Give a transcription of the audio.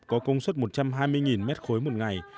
có công suất một trăm hai mươi m ba một ngày